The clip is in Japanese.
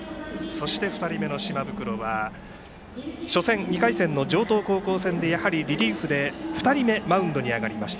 ２人目の島袋は初戦、２回戦の城東高校戦でリリーフでマウンドに上がりました。